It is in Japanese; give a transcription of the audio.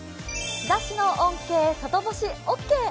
日ざしの恩恵、外干しオーケー。